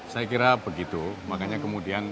saya kira begitu makanya kemudian